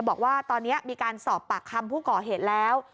บอกว่าตอนนี้มีการสอบปากคำผู้ก่อเหตุแล้ว